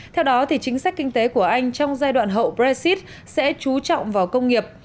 theo đó chính sách kinh tế của anh trong giai đoạn hậu brexit sẽ trú trọng vào công nghiệp